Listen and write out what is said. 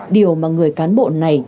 điều mà người cán bộ này